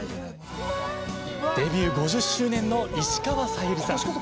デビュー５０周年の石川さゆりさん。